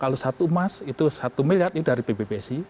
kalau satu emas itu satu miliar itu dari pbbsi